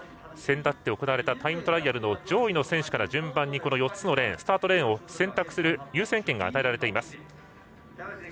選択で行われたタイムトライアルの上位の選手から順番に４つのレーンスタートレーンを選択する優先権が与えられています。